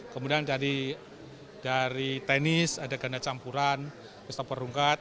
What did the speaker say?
kemudian dari tenis ada ganda campuran pesta perungkat